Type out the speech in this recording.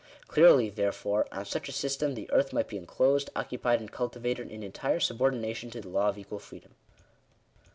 Clearly, therefore, on such a system, the earth might be inclosed, occupied, and cultivated, in entire subordination to the law of equal freedom.